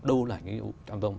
đâu là nhiệm vụ trăm dông